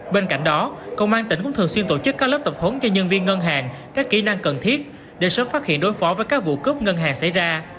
bên cạnh đó công an tỉnh cũng thường xuyên tổ chức các lớp tập huấn cho nhân viên ngân hàng các kỹ năng cần thiết để sớm phát hiện đối phó với các vụ cướp ngân hàng xảy ra